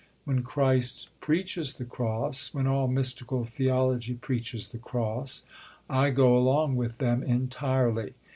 When Christ preaches the Cross, when all mystical theology preaches the Cross, I go along with them entirely.